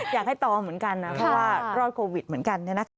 อยากให้ตอบเหมือนกันนะเพราะว่ารอดโควิดเหมือนกันนะ